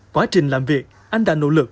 quá trình làm việc anh đã nỗ lực